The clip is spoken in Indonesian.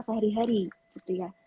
sehari hari gitu ya